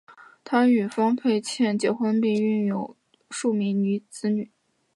他与方佩倩结婚并育有数名子女。